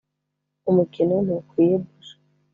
umukino ntukwiye buji.